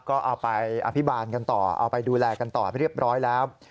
ก็เอาไปอภิบาลกันต่อเอาไปดูแลกันต่อไปเรียบร้อยแล้ว